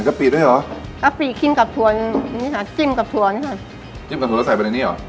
กะปรีด้วยเหรอกะปรีขึ้นกับถั่วนี่ค่ะจิ้มกับถั่วนี่ค่ะจิ้มกับถั่วแล้วใส่ไปในนี่เหรอ